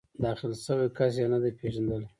داخل شوی کس یې نه دی پېژندلی.